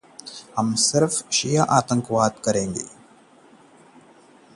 हम सिर्फ़ आपकी मदत करना चाहते हैं।